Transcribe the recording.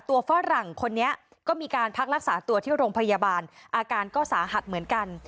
ฝรั่งคนนี้ก็มีการพักรักษาตัวที่โรงพยาบาลอาการก็สาหัสเหมือนกัน